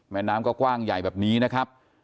แม่น้ำก็กว้างใหญ่แบบนี้นะครับ